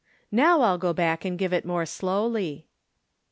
Now I'll go back and give it more slowly.